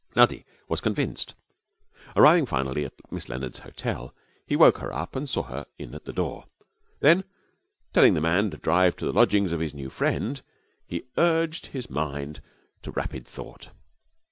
Nutty was convinced. Arriving finally at Miss Leonard's hotel, he woke her up and saw her in at the door; then, telling the man to drive to the lodgings of his new friend, he urged his mind to rapid thought.